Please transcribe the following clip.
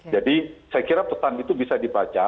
jadi saya kira petan itu bisa dibaca